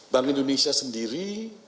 bank indonesia sendiri